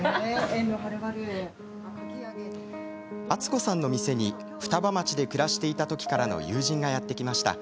敦子さんの店に双葉町で暮らしていたときからの友人がやって来ました。